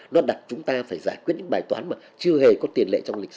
nó đặt chúng ta phải giải quyết những bài toán mà chưa hề có tiền lệ trong lịch sử